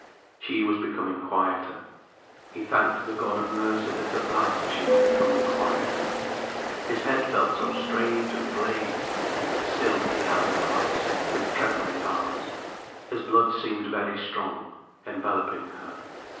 She was becoming quieter. He thanked the God of mercy that at last she was becoming quieter. His head felt so strange and blazed. Still he held her close, with trembling arms. His blood seemed very strong, enveloping her.